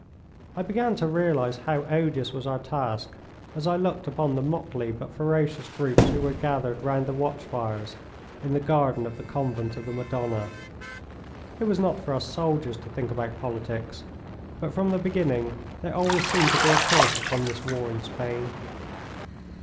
I began to realise how odious was our task as I looked upon the motley but ferocious groups who were gathered round the watch fires in the garden of the Convent of the Madonna. It was not for us soldiers to think about politics, but from the beginning there always seemed to be a curse upon this war in Spain.